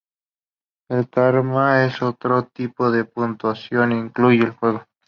El karma es otro tipo de puntuación que incluye el juego.